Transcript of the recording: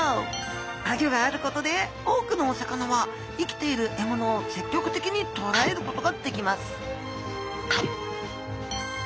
アギョがあることで多くのお魚は生きている獲物を積極的に捕らえることができます